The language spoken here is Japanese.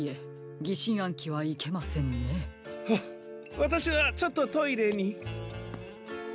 わたしはちょっとトイレに。